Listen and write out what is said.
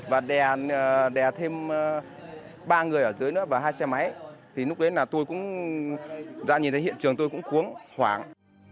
và đè thêm ba người ở dưới nữa và hai xe máy thì lúc đấy là tôi cũng dạ nhìn thấy hiện trường tôi cũng cuống hoảng